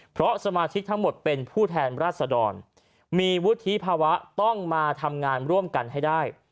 เพราะสมาชิกทั้งหมดเป็นผู้แทนราชดรมีวุฒิภาวะต้องมาทำงานร่วมกันให้ได้